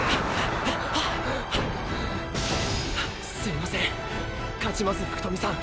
すいません勝ちます福富さん。